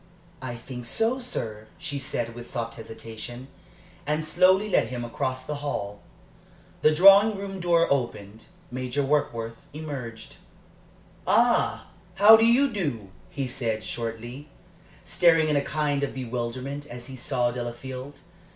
"I think so, sir," she said, with soft hesitation, and she slowly led him across the hall. The drawing room door opened. Major Warkworth emerged. "Ah, how do you do?" he said, shortly, staring in a kind of bewilderment as he saw Delafield.